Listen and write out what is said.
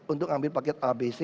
untuk ambil paket abc